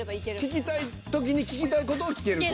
聞きたい時に聞きたい事を聞けると。